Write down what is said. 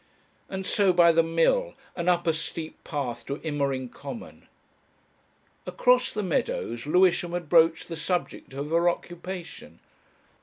And so by the mill, and up a steep path to Immering Common. Across the meadows Lewisham had broached the subject of her occupation.